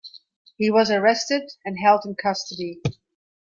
He was arrested and held in custody.